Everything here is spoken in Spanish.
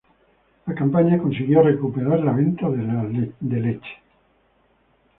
La campaña consiguió recuperar las ventas de leche.